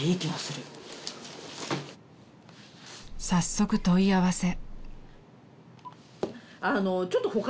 ［早速問い合わせ］